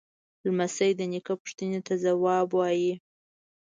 لمسی د نیکه پوښتنې ته ځواب وايي.